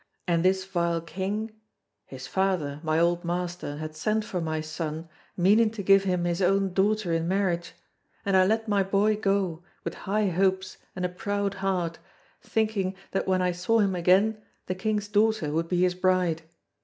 And this vile king his father, my old master, had sent for my son, meaning to give him his own daughter in marriage; and I let my boy go, with high hopes and a proud heart, thinking that when I saw him again the king's daughter would be his bride.